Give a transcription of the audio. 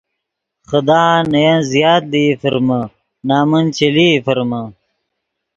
خدان نے ین زیات لئی فرمے نمن چے لئی فرمے